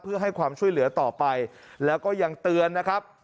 เพื่อให้ความช่วยเหลือต่อไปแล้วก็ยังเตือนนะครับ